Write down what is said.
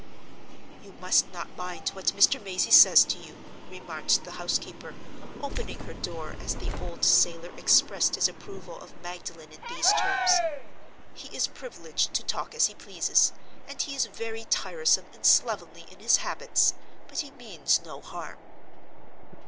"You must not mind what Mr. Mazey says to you," remarked the housekeeper, opening her door as the old sailor expressed his approval of Magdalen in these terms. "He is privileged to talk as he pleases; and he is very tiresome and slovenly in his habits; but he means no harm."